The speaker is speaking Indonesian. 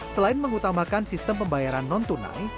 selain mengutamakan sistem pembayaran non tunai